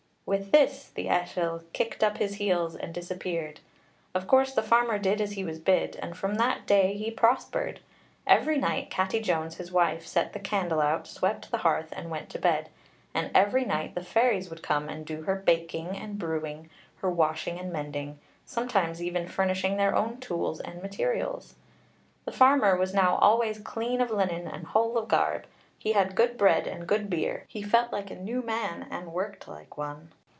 With this the ellyll kicked up his heels and disappeared. Of course the farmer did as he was bid, and from that day he prospered. Every night Catti Jones, his wife, set the candle out, swept the hearth, and went to bed; and every night the fairies would come and do her baking and brewing, her washing and mending, sometimes even furnishing their own tools and materials. The farmer was now always clean of linen and whole of garb; he had good bread and good beer; he felt like a new man, and worked like one.